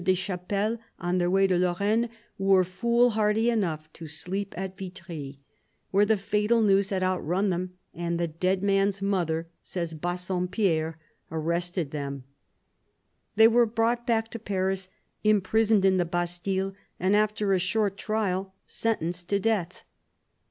des Chapelles, on their way to Lorraine, were foolhardy enough to sleep at Vitry, where the fatal news had outrun them, and " the dead man's mother," says Bassompierre, " arrested them." They were brought back to Paris, imprisoned in the Bastille, and after a short trial sentenced to death.